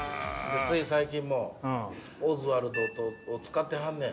つい最近もオズワルドを使ってはんねん。